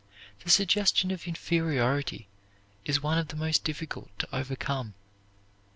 The suggestion of inferiority is one of the most difficult to overcome.